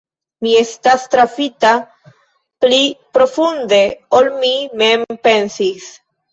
Mi estas trafita pli profunde, ol mi mem pensis.